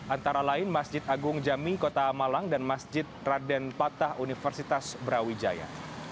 antara lain masjid agung jami kota malang dan masjid raden patah universitas brawijaya